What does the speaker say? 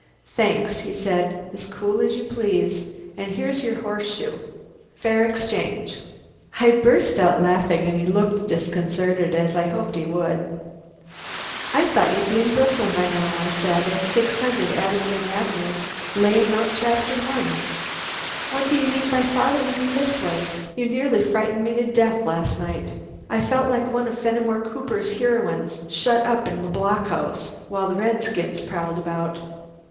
"Thanks," he said, as cool as you please. "And here's your horse shoe. Fair exchange!" I burst out laughing, and he looked disconcerted, as I hoped he would. "I thought you'd be in Brooklyn by now," I said, "at 600 Abingdon Avenue, laying out Chapter One. What do you mean by following me this way? You nearly frightened me to death last night. I felt like one of Fenimore Cooper's heroines, shut up in the blockhouse while the redskins prowled about."